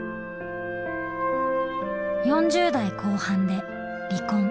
４０代後半で離婚。